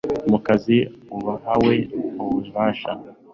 mu kazi uwahawe ububasha